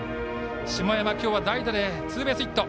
下山、代打でツーベースヒット。